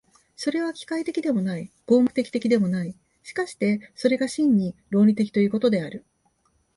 それは機械的でもない、合目的的でもない、しかしてそれが真に論理的ということである。